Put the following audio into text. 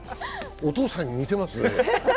お父さんに似てますね。